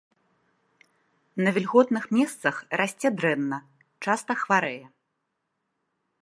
На вільготных месцах расце дрэнна, часта хварэе.